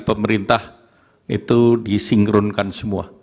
pemerintah itu disinkronkan semua